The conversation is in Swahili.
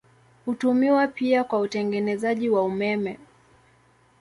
Hutumiwa pia kwa utengenezaji wa umeme.